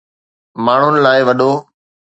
ماڻھن لاء وڏو